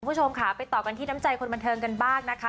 คุณผู้ชมค่ะไปต่อกันที่น้ำใจคนบันเทิงกันบ้างนะคะ